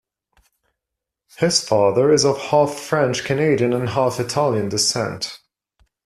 His father is of half French-Canadian and half Italian descent.